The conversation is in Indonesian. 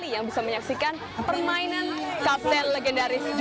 ya eh ditahan